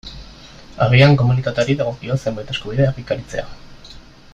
Agian komunitateari dagokio zenbait eskubide egikaritzea.